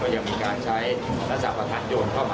ยังมีการใช้รักษาประทัดโยนเข้ามา